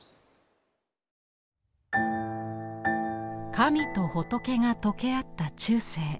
神と仏がとけあった中世。